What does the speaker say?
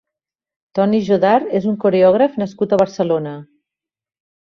Toni Jodar és un coreògraf nascut a Barcelona.